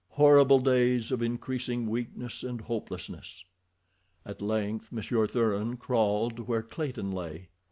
Horrible days of increasing weakness and hopelessness. At length Monsieur Thuran crawled to where Clayton lay.